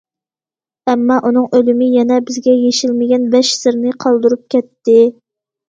ئەمما ئۇنىڭ ئۆلۈمى يەنە بىزگە يېشىلمىگەن بەش سىرنى قالدۇرۇپ كەتتى.